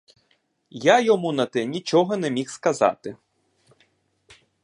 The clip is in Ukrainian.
Я йому на те нічого не міг сказати.